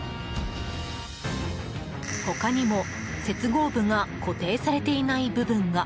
他にも、接合部が固定されていない部分が。